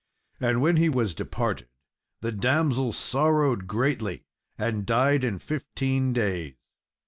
And when he was departed, the damsel sorrowed greatly, and died in fifteen days.